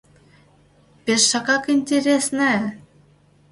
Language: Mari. — Пешакак интересне!